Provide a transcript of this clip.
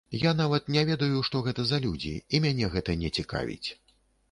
Я нават не ведаю, што гэта за людзі і мяне гэта не цікавіць.